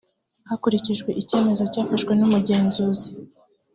hakurikijwe icyemezo cyafashwe n’umugenzuzi